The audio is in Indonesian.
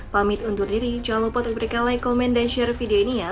pamit undur diri jangan lupa tekan like komen dan share video ini ya